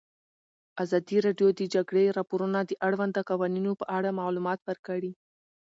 ازادي راډیو د د جګړې راپورونه د اړونده قوانینو په اړه معلومات ورکړي.